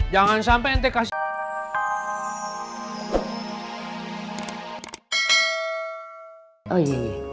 jangan sampai ente kasih